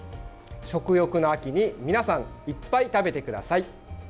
食欲の秋に皆さん、いっぱい食べてください。